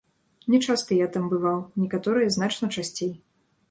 Не часта я там бываў, некаторыя значна часцей.